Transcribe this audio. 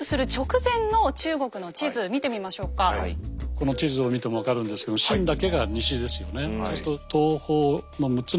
この地図を見ても分かるんですけど秦だけが西ですよね。